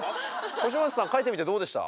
星街さん描いてみてどうでした？